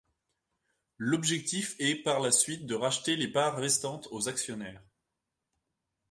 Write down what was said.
L'objectif est par la suite de racheter les parts restantes aux actionnaires.